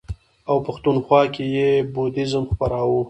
او پښتونخوا کې یې بودیزم خپراوه.